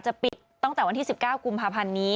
ปิดตั้งแต่วันที่๑๙กุมภาพันธ์นี้